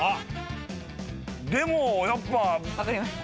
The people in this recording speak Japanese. でもやっぱ。